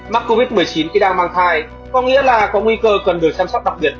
mắc covid một mươi chín khi đang mang thai có nghĩa là có nguy cơ cần được chăm sóc đặc biệt